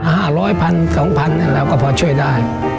ห้าร้อยพันสองพันแล้วก็พอช่วยได้